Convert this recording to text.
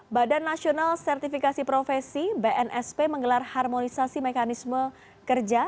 badan nasional sertifikasi profesi bnsp menggelar harmonisasi mekanisme kerja